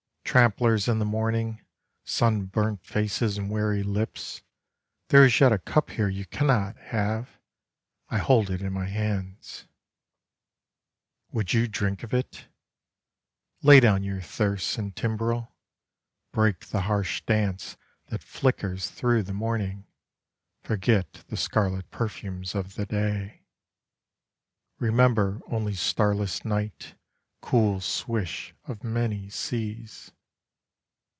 Tramplers in the morning, Sunburnt faces and weary lips, There is yet a cup here you cannot have, I hold it in my hands. Would you drink of it? Lay down your thyrse and timbrel. Break the harsh dance that flickers through the morning, Forget the scarlet perfumes of the day. Remember only starless night, cool swish of many seas.